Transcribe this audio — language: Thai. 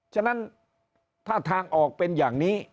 ฉะนั้นถ้าทางออกเป็นอย่างนี้